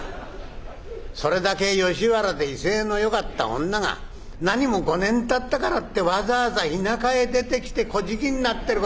それだけ吉原で威勢のよかった女が何も５年経ったからってわざわざ田舎へ出てきて乞食になってることはねえでしょう？」。